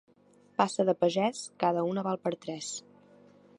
Passa de pagès, cada una val per tres.